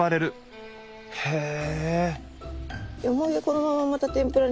へえ！